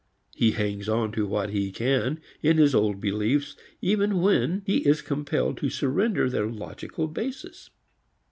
He hangs on to what he can in his old beliefs even when he is compelled to surrender their logical basis.